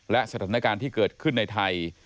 และสถานการณ์ที่เกิดขึ้นในไทย